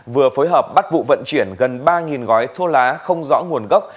vừa phối hợp bắt vụ vận chuyển gần ba gói thuốc lá không rõ nguồn gốc